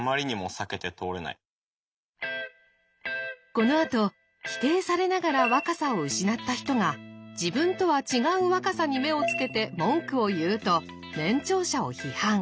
このあと否定されながら若さを失った人が自分とは違う若さに目をつけて文句を言うと年長者を批判。